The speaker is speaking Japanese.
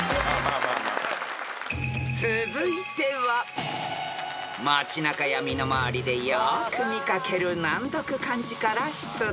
［続いては街中や身の回りでよく見掛ける難読漢字から出題］